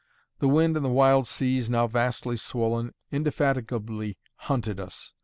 The wind and the wild seas, now vastly swollen, indefatigably hunted us.